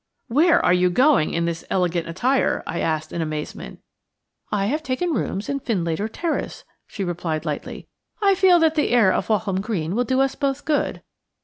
"Where are you going in this elegant attire?" I asked in amazement. "I have taken rooms in Findlater Terrace," she replied lightly. "I feel that the air of Walham Green will do us both good.